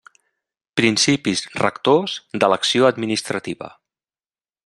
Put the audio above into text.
Principis rectors de l'acció administrativa.